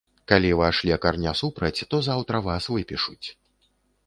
Калі ваш лекар не супраць, то заўтра вас выпішуць.